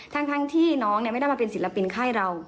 ทั้งที่น้องไม่ได้มาเป็นศิลปินค่ายเรา